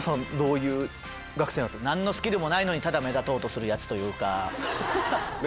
何のスキルもないのにただ目立とうとするヤツというか。